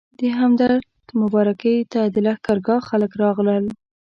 د همدرد مبارکۍ ته د لښکرګاه خلک راغلل.